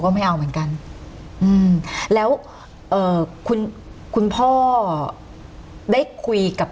ไม่เอาเหมือนกันอืมแล้วเอ่อคุณคุณพ่อได้คุยกับ